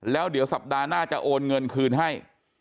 แล้วเดี๋ยวสัปดาห์หน้าจะโอนเงินคืนให้